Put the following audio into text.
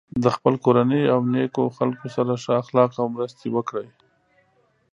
د خپل کورنۍ او نیکو خلکو سره ښه اخلاق او مرستې وکړی.